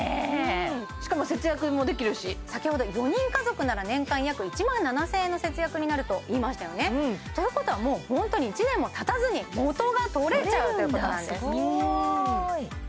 しかも節約もできるし先ほど４人家族なら年間約１万７０００円の節約になると言いましたよねということはもうホントに１年もたたずにもとがとれちゃうということなんです